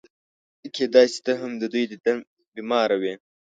کېدای شي ته هم د دوی د دیدن بیماره وې.